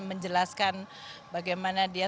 menjelaskan bagaimana dia